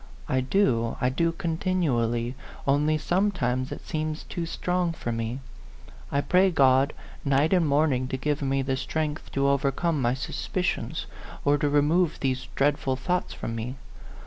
I do, I do continually, only sometimes it seems too strong for me. I pray God night and morning to give me the strength to overcome my suspicions, or to remove these dreadful thoughts from me.